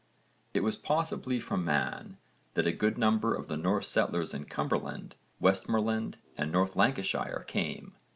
It was possibly from Man that a good number of the Norse settlers in Cumberland, Westmorland and North Lancashire came (_v.